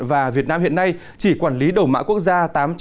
và việt nam hiện nay chỉ quản lý đầu mã quốc gia tám trăm chín mươi ba